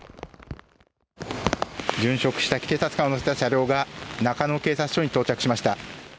殉職した警察官を乗せた車両が中野警察署に到着しました。